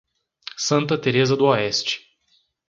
Santa Tereza do Oeste